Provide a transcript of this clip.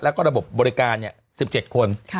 แล้วก็ระบบบบริการ๑๗คน